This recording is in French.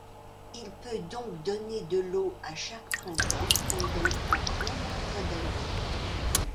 Il peut donc donner de l'eau à chaque printemps pendant un grand nombre d'années.